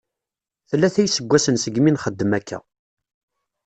Tlata iseggasen segmi nxeddem akka.